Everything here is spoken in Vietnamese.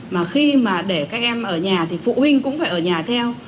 mà khi mà để các em ở nhà thì phụ huynh cũng phải ở nhà theo